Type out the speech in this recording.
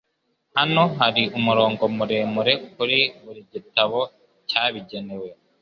Hano hari umurongo muremure kuri buri gitabo cyabigenewe.